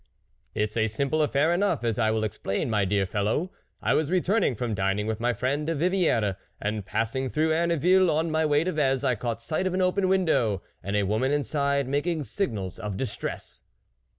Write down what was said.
c"It's a simple affair enough, as I will explain, my dear fellow. I was returning from dining with my friend, de Vi vie res, and passing through Erneville on my way to Vez, I caught sight of an open window, and a woman inside making signals of distress."